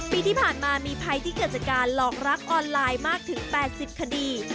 ปีที่ผ่านมามีภัยที่เกิดจากการหลอกรักออนไลน์มากถึง๘๐คดี